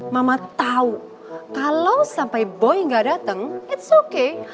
mamah tau kalau sampai boy gak datang it's okay